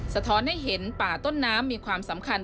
สะท้อนให้เห็นป่าต้นน้ำมีความสำคัญ